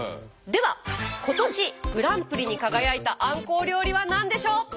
では今年グランプリに輝いたあんこう料理は何でしょう？